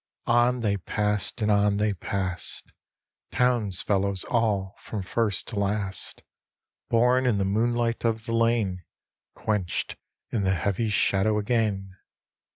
On they pass'd and on they pass'd ; Townsfellows all, from first to last; Bom in the moonlight of the lane, Quencb'd in the heavy shadow again.